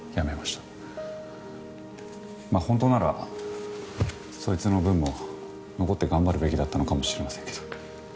まあ本当ならそいつの分も残って頑張るべきだったのかもしれませんけど。